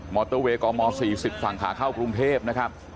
อเตอร์เวย์กม๔๐ฝั่งขาเข้ากรุงเทพนะครับ